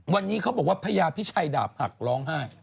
วันนี้เขาบอกว่าพญาพิชัยดาบหักร้องไห้